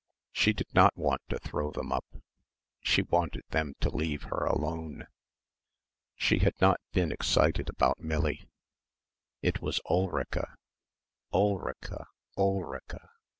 She did not want to throw them up. She wanted them to leave her alone.... She had not been excited about Millie. It was Ulrica, Ulrica ... Ulrica